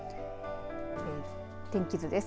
天気図です。